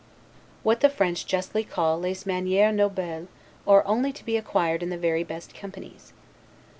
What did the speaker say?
What the French justly call 'les manieres nobles' are only to be acquired in the very best companies.